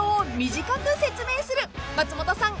［松本さん